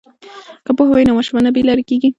که پوهه وي نو ماشوم نه بې لارې کیږي.